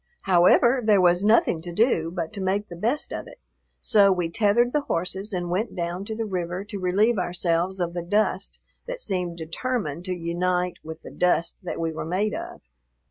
However, there was nothing to do but to make the best of it, so we tethered the horses and went down to the river to relieve ourselves of the dust that seemed determined to unite with the dust that we were made of.